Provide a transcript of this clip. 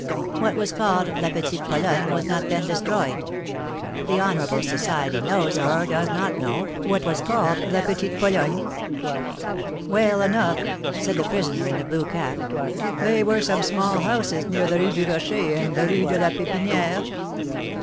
What was called La Petite Pologne was not then destroyed. The honourable society knows (or does not know) what was called La Petite Pologne?" "Well enough!" said the prisoner in the blue cap; "they were some small houses near the Rue du Rocher and the Rue de la Pépinière?"